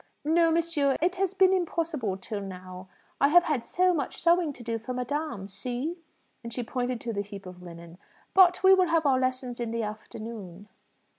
"No, monsieur, it has been impossible till now; I have had so much sewing to do for madame. See!" and she pointed to the heap of linen. "But we will have our lessons in the afternoon."